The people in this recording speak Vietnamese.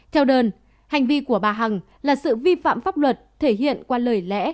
theo đơn hành vi của bà hằng là sự vi phạm pháp luật thể hiện qua lời lẽ